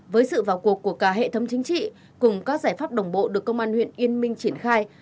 với sự vào cuộc của cả hệ thống chính trị cùng các giải pháp đồng bộ được công an huyện yên minh triển khai